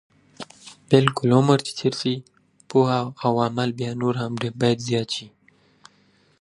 د عمر مانا په پوهه او عمل کي ده.